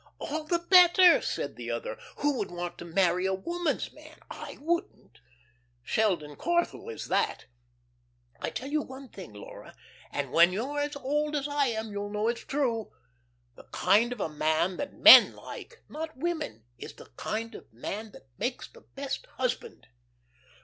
"All the better," said the other. "Who would want to marry a woman's man? I wouldn't. Sheldon Corthell is that. I tell you one thing, Laura, and when you are as old as I am, you'll know it's true: the kind of a man that men like not women is the kind of a man that makes the best husband."